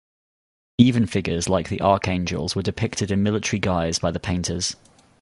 Even figures like the archangels were depicted in military guise by the painters.